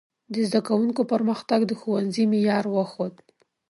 د زده کوونکو پرمختګ د ښوونځي معیار وښود.